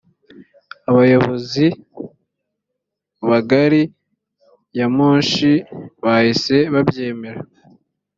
abayobozi bagari ya moshi bahise babyemera .